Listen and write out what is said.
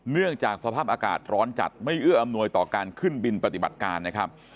เนื่องจากสภาพอากาศร้อนจัดไม่เอื้ออำนวยต่อการขึ้นบินปฏิบัติการนะครับ